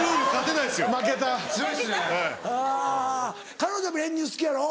彼女も練乳好きやろ？